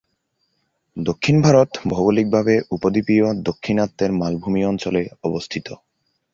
দক্ষিণ ভারত ভৌগলিকভাবে উপদ্বীপীয় দাক্ষিণাত্যের মালভূমি অঞ্চলে অবস্থিত।